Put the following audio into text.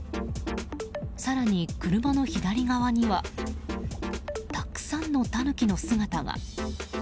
更に、車の左側にはたくさんのタヌキの姿が。